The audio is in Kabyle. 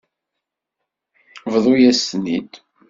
Bḍu-yas-ten-id.